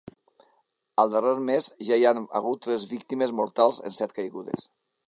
Al darrer mes ja hi han hagut tres víctimes mortals en set caigudes.